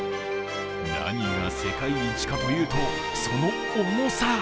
何が世界一かというと、その重さ。